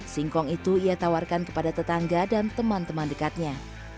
singkong itu ia tawarkan kepada tetangga dan teman teman dekatnya